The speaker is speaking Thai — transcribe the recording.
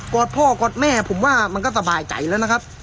อดพ่อกอดแม่ผมว่ามันก็สบายใจแล้วนะครับ